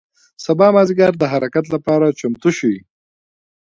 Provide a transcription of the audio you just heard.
سبا مازدیګر د حرکت له پاره چمتو شئ.